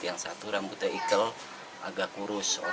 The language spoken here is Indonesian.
yang satu rambutnya ikel agak kurus